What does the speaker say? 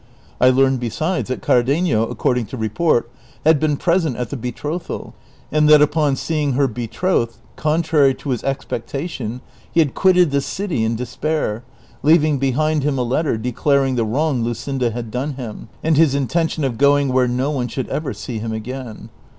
I learned besides that Cardenio, according to report, had been present at the betrothal ; and that upon seeing her betrothed contrai y to his expec tation, he had quitted the city in despair, leaving behind him a let ter declaring the wrong Luscinda had done him, and his intention of going where no one should ever see him again.